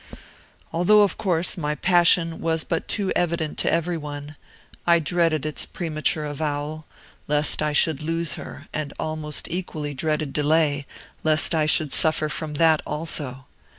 "Although, of course, my passion was but too evident to every one, I dreaded its premature avowal, lest I should lose her; and almost equally dreaded delay, lest I should suffer from that also.